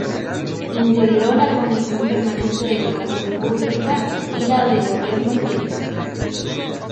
Integró la Comisión Permanente de Educación Pública; y la de Gobierno Interior.